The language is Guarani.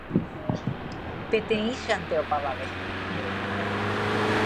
Peteĩchante opavave.